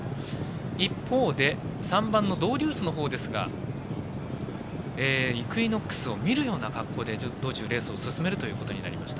一方３番、ドウデュースのほうですがイクイノックスを見るような格好で道中レースを進めるということになりました。